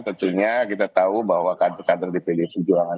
tentunya kita tahu bahwa kader kader di pdi perjuangan